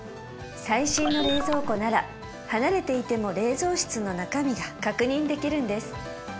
最新の冷蔵庫なら離れていても冷蔵室の中身が確認できるんです